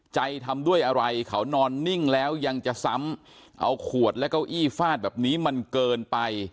ทำด้วยอะไรเขานอนนิ่งแล้วยังจะซ้ำเอาขวดและเก้าอี้ฟาดแบบนี้มันเกินไป